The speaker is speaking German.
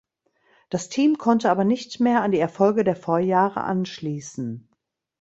Das Team konnte aber nicht mehr an die Erfolge der Vorjahre anschließen.